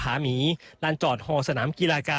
อันนี้คือเต็มร้อยเปอร์เซ็นต์แล้วนะครับ